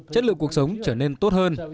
chất lượng cuộc sống trở nên tốt hơn